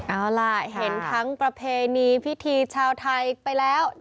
เอาล่ะเห็นทั้งประเพณีพิธีชาวไทยไปแล้ว